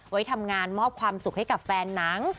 ไว้ทำงานมอบความสุขให้กับแฟนหนัง